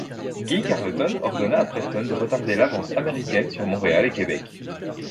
Guy Carleton ordonna à Preston de retarder l'avance américaine sur Montréal et Québec.